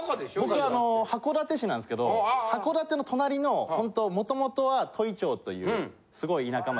僕は函館市なんですけど函館の隣の本当は元々は戸井町というすごい田舎町。